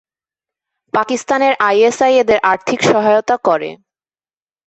পাকিস্তানের I S I এদের আর্থিক সহায়তা করে।